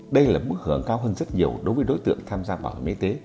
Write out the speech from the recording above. đây là mức hưởng cao hơn rất nhiều đối với đối tượng tham gia bảo hiểm y tế